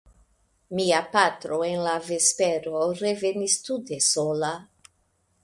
Mia patro en la vespero revenis tute sola.